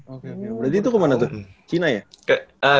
oke oke berarti itu ke mana tuh china ya